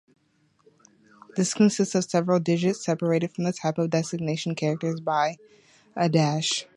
This consists of several digits, separated from the type designation characters by a dash.